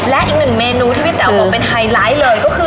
และอีกหนึ่งเมนูที่พี่แต๋วบอกเป็นไฮไลท์เลยก็คือ